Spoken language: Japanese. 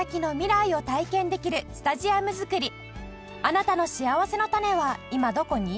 あなたのしあわせのたねは今どこに？